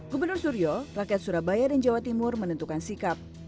gubernur suryo rakyat surabaya dan jawa timur menentukan sikap